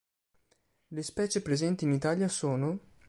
Le specie presenti in Italia sono